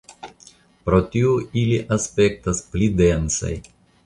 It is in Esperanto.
Pro tio ili aspektas "pli densaj".